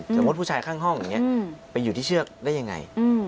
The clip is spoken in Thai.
สมมุติผู้ชายข้างห้องอย่างนี้ไปอยู่ที่เชือกได้ยังไง